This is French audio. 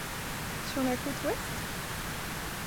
Sur la côte ouest?